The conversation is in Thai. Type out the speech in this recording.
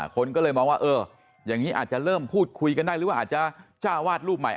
คนก็เลยมองว่าเอออย่างนี้อาจจะเริ่มพูดคุยกันได้หรือว่าอาจจะจ้าวาดรูปใหม่